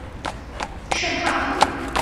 圣帕普。